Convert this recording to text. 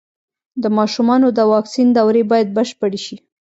د ماشومانو د واکسین دورې بايد بشپړې شي.